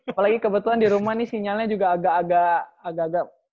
apalagi kebetulan di rumah nih sinyalnya juga agak agak agak agak